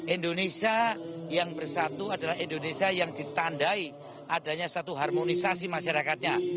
indonesia yang bersatu adalah indonesia yang ditandai adanya satu harmonisasi masyarakatnya